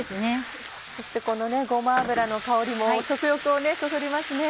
そしてこのごま油の香りも食欲をそそりますね。